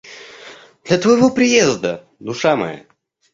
Для твоего приезда, душа моя.